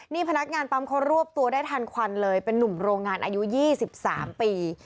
นี่พนักงานปั๊มเขารวบตัวได้ทันควันเลยเป็นนุ่มโรงงานอายุ๒๓ปี